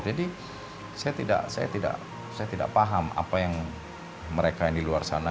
jadi saya tidak paham apa yang mereka yang di luar sana